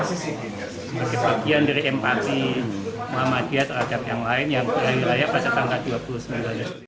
sebagai bagian dari empati muhammadiyah terhadap yang lain yang layak pada tanggal dua puluh sembilan